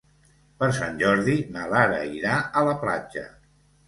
Per Sant Jordi na Lara irà a la platja.